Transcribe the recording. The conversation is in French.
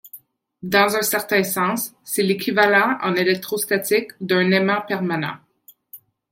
Dans un certain sens, c'est l'équivalent en électrostatique d'un aimant permanent.